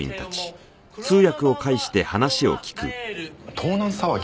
盗難騒ぎ？